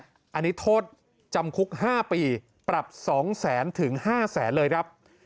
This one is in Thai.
อันนี้โทษจำคุก๕ปีปรับ๒๐๐๐ถึง๕แสนเลยครับ